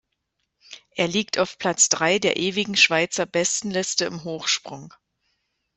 Er liegt auf Platz drei der ewigen Schweizer Bestenliste im Hochsprung.